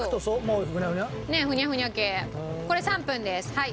これ３分ですはい。